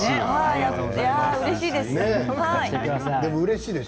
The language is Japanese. うれしいです。